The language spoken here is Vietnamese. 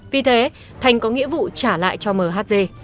vì thế thành có nghĩa vụ trả lại cho mhz